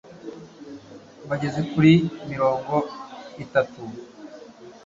bageze kuri mirongo itatu